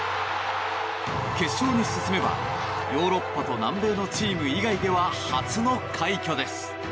決勝に進めば、ヨーロッパと南米のチーム以外では初の快挙です。